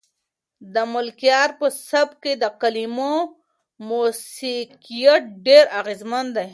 د ملکیار په سبک کې د کلمو موسیقیت ډېر اغېزمن دی.